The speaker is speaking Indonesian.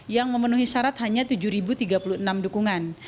yang memenuhi syarat hanya tujuh tiga puluh enam dukungan